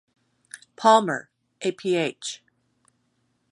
Palmer, a Ph.